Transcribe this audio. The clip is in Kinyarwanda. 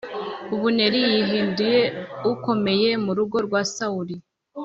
Abuneri yihinduye ukomeye mu rugo rwa Sawuli.